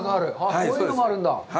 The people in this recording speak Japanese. こういうのもあるんだ。